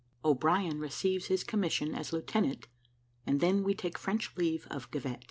O'BRIEN RECEIVES HIS COMMISSION AS LIEUTENANT AND THEN WE TAKE FRENCH LEAVE OF GIVET.